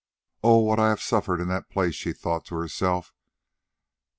"Oh, what I have suffered in that place!" she thought to herself.